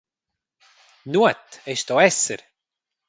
Nuot, ei sto esser!